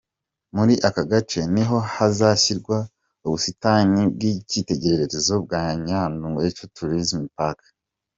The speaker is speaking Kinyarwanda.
Muri aka gace niho hazashyirwa ubusitani bw’icyitegererezo bwa Nyandungu Eco Tourism Park.